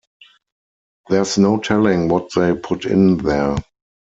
There's no telling what they put in there.